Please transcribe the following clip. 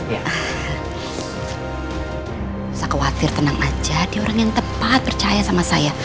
gak usah khawatir tenang aja dia orang yang tepat percaya sama saya